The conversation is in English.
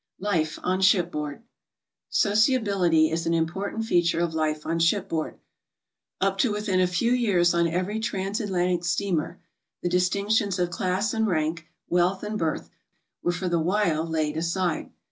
LIFE ON SHIPBOARD. Sociability is an important feature of life on shipboard. Up to within a few years on every trans Atlantic steamer the distinctions of class and rank, wealth and birth, were for the while laid aside.